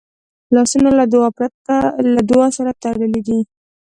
لاسونه له دعا سره تړلي دي